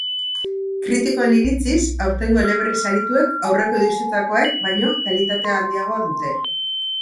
Kritikoen irirtziz, aurtengo eleberri sarituek aurreko edizioetakoek baino kalitate handiagoa dute.